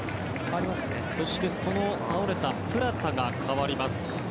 そして、倒れたプラタが代わります。